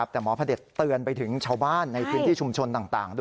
แต่หมอพระเด็จเตือนไปถึงชาวบ้านในพื้นที่ชุมชนต่างด้วย